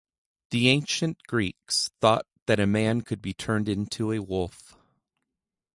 The ancient Greeks thought that a man could be turned into a wolf.